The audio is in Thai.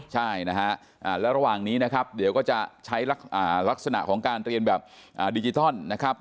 ใช่นะฮะแล้วระหว่างนี้นะครับเดี๋ยวก็จะใช้ลักษณะของการเรียนแบบดิจิทัลนะครับ